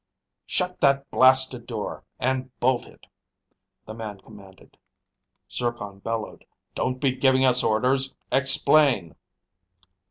"Shut that blasted door! And bolt it!" the man commanded. Zircon bellowed, "Don't be giving us orders! Explain..."